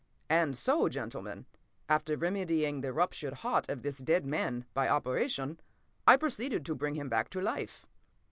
And so, gentlemen, after remedying the ruptured heart of this dead man, by operation, I proceeded to bring him back to life.